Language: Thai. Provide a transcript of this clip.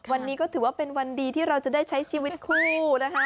วันนี้ก็ถือว่าเป็นวันดีที่เราจะได้ใช้ชีวิตคู่นะคะ